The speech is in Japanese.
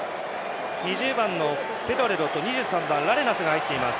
２０番のペドレロと２３番のラレナスが入っています。